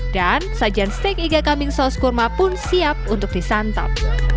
dan sajian stik iga kambing saus kurma pun siap untuk disantap